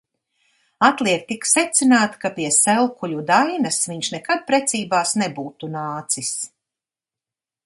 Atliek tik secināt, ka pie Selkuļu Dainas viņš nekad precībās nebūtu nācis.